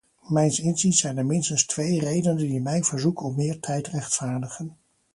Mijns inziens zijn er minstens twee redenen die mijn verzoek om meer tijd rechtvaardigen.